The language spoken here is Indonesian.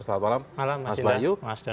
selamat malam mas bayu